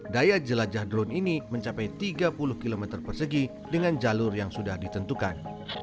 daya jelajah drone ini mencapai tiga puluh km persegi dengan jalur yang sudah ditentukan